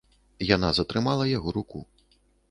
Яна затрымала яго руку.